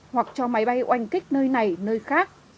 hoặc cho máy bay oanh kích nơi này nơi khác